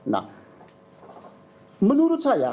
nah menurut saya